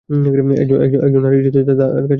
একজন নারীর ইজ্জতই তার কাছে সবকিছু।